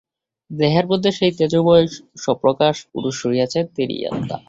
দেহের মধ্যে সেই তেজোময় স্বপ্রকাশ পুরুষ রহিয়াছেন, তিনিই আত্মা।